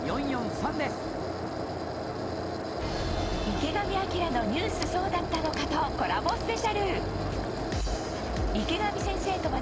『池上彰のニュースそうだったのか！！』とコラボスペシャル